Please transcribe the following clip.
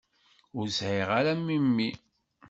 Ur sɛiɣ ara memmi.